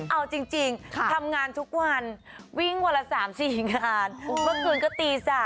เอาจริงทำงานทุกวันวิ่งวันละ๓๔งานเมื่อคืนก็ตี๓